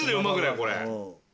これ。